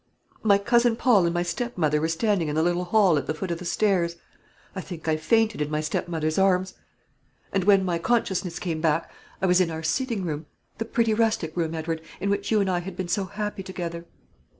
My cousin Paul and my stepmother were standing in the little hall at the foot of the stairs. I think I fainted in my stepmother's arms; and when my consciousness came back, I was in our sitting room, the pretty rustic room, Edward, in which you and I had been so happy together.